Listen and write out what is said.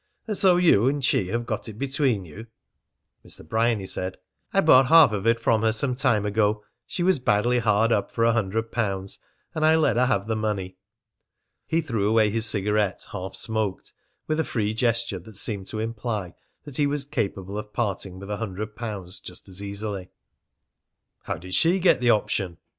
"And so you and she have got it between you?" Mr. Bryany said: "I bought half of it from her some time ago. She was badly hard up for a hundred pounds, and I let her have the money." He threw away his cigarette half smoked, with a free gesture that seemed to imply that he was capable of parting with a hundred pounds just as easily. "How did she get the option?"